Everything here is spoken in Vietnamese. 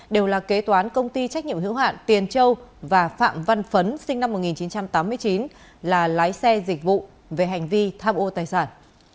đều là kế toán công ty trách nhiệm hữu hạn tiền châu và phạm văn phấn sinh năm một nghìn chín trăm tám mươi chín là lái xe dịch vụ về hành vi tham ô tài sản